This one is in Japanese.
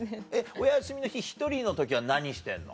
お休みの日１人の時は何してんの？